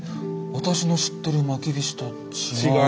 私の知ってるまきびしと違う。